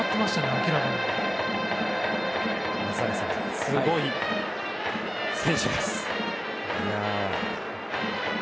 改めてすごい選手です。